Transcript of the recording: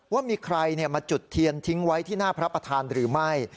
ว่ามีใครมาจุดเทียนทิ้งไว้ที่หน้าพระประธานหรือไม่